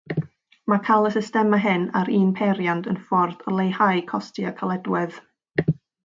Mae cael y systemau hyn ar un peiriant yn ffordd o leihau costau caledwedd.